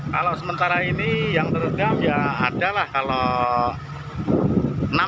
kalau sementara ini yang terendam ya ada lah kalau